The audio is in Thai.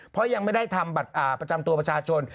เพราะยังไม่ได้ทำบัตรประจำตัวประชาชน